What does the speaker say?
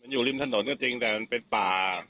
อยู่ริมถนนก็จริงแต่มันเป็นป่า